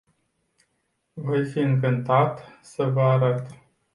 Voi fi încântat să vă arăt.